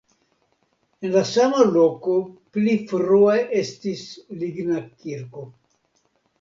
En la samo loko pli frue estis ligna kirko.